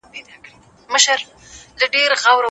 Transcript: تجاوز کوونکی به خامخا مجازات سي.